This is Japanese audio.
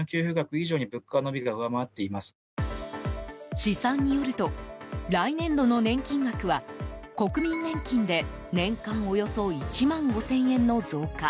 試算によると来年度の年金額は国民年金で年間およそ１万５０００円の増加